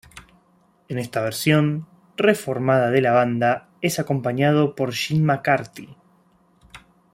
En esta versión reformada de la banda, es acompañado por Jim McCarty.